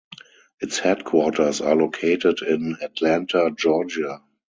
Its headquarters are located in Atlanta, Georgia.